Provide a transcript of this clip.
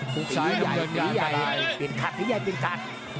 สีใหญ่สีใหญ่เปลี่ยนขาดเปลี่ยนขาด